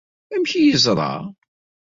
Amek ay yeẓra?